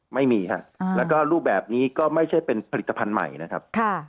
ไม่มีครับแล้วก็รูปแบบนี้ก็ไม่ใช่เป็นผลิตภัณฑ์ใหม่นะครับ